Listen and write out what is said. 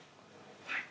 はい。